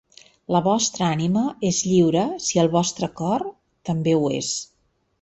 La vostra ànima és lliure si el vostre cor també ho és.